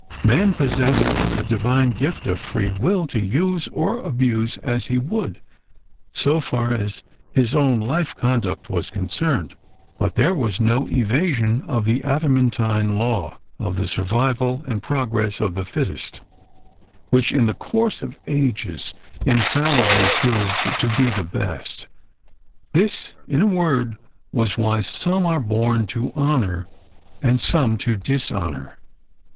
Man possessed the Divine gift of free will to use or abuse as he would, so far as his own life conduct was concerned; but there was no evasion of the adamantine law of the survival and progress of the fittest, which, in the course of ages, infallibly proved to be the best. This, in a word, was why "some are born to honour and some to dishonour."